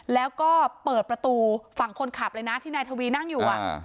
แล้วก็เปิดประตูฝั่งคนขับเลยนะที่นายทวีนั่งอยู่